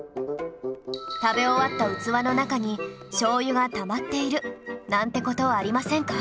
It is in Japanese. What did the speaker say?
食べ終わった器の中に醤油がたまっているなんて事はありませんか？